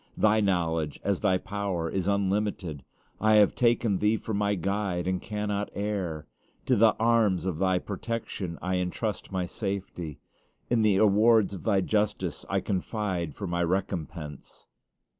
Thy knowledge, as Thy power, is unlimited. I have taken Thee for my guide, and cannot err. To the arms of Thy protection I intrust my safety. In the awards of Thy justice I confide for my recompense.